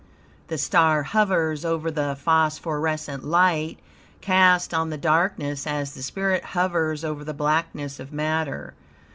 The star hovers over the phosphorescent light cast on the darkness as the spirit hovers over the blackness of matter.